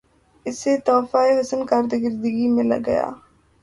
اسے تحفہِ حسنِ کارکردگی مل گیا